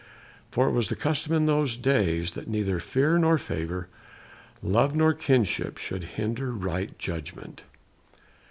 For it was the custom in those days that neither fear nor favour, love nor kinship, should hinder right judgment.